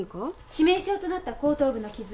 致命傷となった後頭部の傷。